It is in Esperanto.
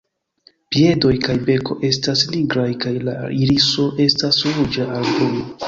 Piedoj kaj beko estas nigraj kaj la iriso estas ruĝa al bruna.